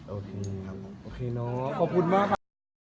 โอเคโอเคน้องขอบคุณมากครับ